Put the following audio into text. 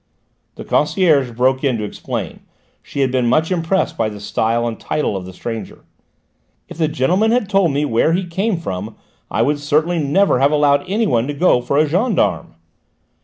The concierge broke in to explain: she had been much impressed by the style and title of the stranger. "If the gentleman had told me where he came from I would certainly never have allowed anyone to go for a gendarme."